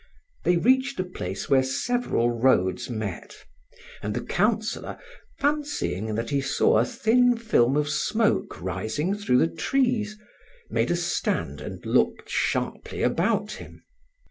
They reached a place where several roads met; and the Councillor, fancying that he saw a thin film of smoke rising through the trees, made a stand and looked sharply about him.